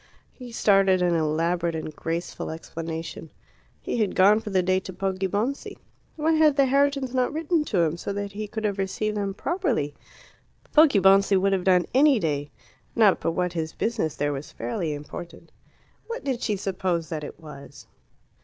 He started an elaborate and graceful explanation. He had gone for the day to Poggibonsi. Why had the Herritons not written to him, so that he could have received them properly? Poggibonsi would have done any day; not but what his business there was fairly important. What did she suppose that it was?